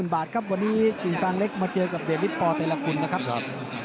๑๒๐๐๐๐บาทครับวันนี้กินสั้นเล็กมาเจอกับเดยนวิธีพอร์เตลลกุลนะครับ